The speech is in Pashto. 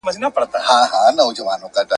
نه به په خولو کي نه به په زړه یم,